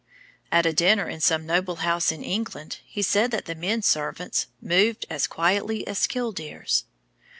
At a dinner in some noble house in England he said that the men servants "moved as quietly as killdeers."